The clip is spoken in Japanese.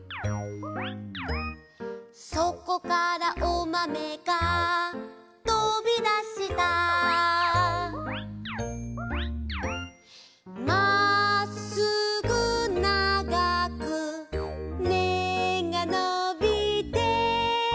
「そこからおまめが飛びだした」「まっすぐ長く芽がのびて」